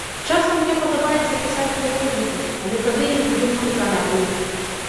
Часам мне падабаецца пісаць поп-музыку, але тады я не думаю пра радыё.